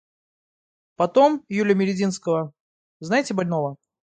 Потом Юрия Мелединского — знаете, больного?